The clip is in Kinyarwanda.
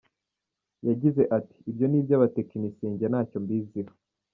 Yagize ati: "Ibyo ni iby'abatekinisiye ntacyo mbiziho.